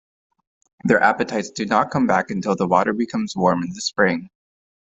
Their appetites do not come back until the water becomes warm in the spring.